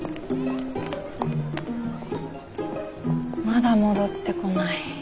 まだ戻ってこない。